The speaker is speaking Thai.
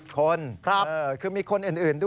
๕คนคุณ